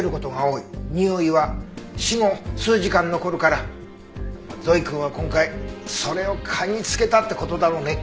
においは死後数時間残るからゾイくんは今回それを嗅ぎつけたって事だろうね。